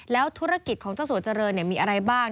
แล้วธุรกิจของเจ้าสัวเจริญมีอะไรบ้าง